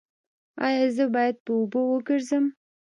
ایا زه باید په اوبو وګرځم؟